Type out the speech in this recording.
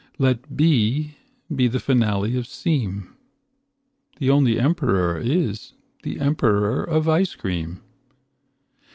Let be be the finale of seem. The only emperor is the emperor of ice cream.